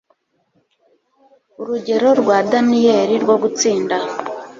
Urugero rwa Daniyeli rwo Gutsinda